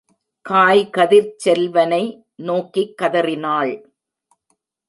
காய்கதிர்ச் செல்வனை நோக்கிக் கதறினாள்.